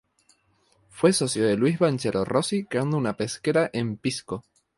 Fue socio de Luis Banchero Rossi creando una pesquera en Pisco.